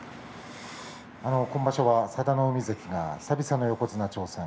今場所は佐田の海関が久々に横綱に挑戦。